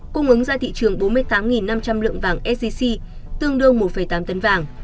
cung ứng ra thị trường bốn mươi tám năm trăm linh lượng vàng sgc tương đương một tám tấn vàng